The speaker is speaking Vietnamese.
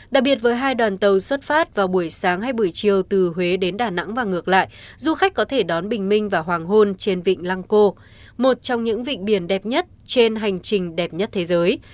đặc biệt với hai đoàn tàu xuất phát vào buổi sáng hay buổi chiều từ huế đến đà nẵng và ngược lại du khách có thể đón bình minh và hoàng hôn trên vịnh lăng cô một trong những vịnh biển đẹp nhất trên hành trình đẹp nhất thế giới